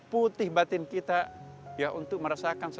putih batin kita untuk merasakan kekuatan kita